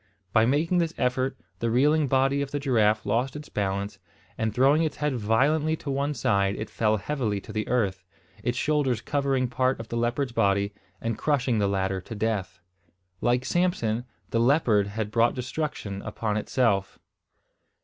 By making this effort, the reeling body of the giraffe lost its balance, and throwing its head violently to one side it fell heavily to the earth, its shoulders covering part of the leopard's body, and crushing the latter to death. Like Samson, the leopard had brought destruction upon itself!